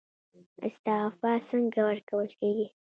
استعفا څنګه ورکول کیږي؟